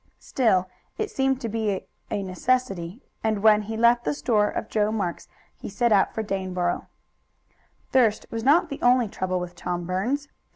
Still, it seemed to be a necessity, and when he left the store of Joe Marks he set out for Daneboro. Thirst was not the only trouble with Tom Burns.